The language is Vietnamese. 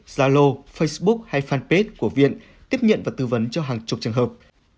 gia lô facebook hay fanpage của viện tiếp nhận và tư vấn cho hàng chục trường hợp